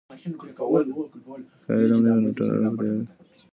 که علم نه وي نو ټولنه په تیاره کي پاتیږي.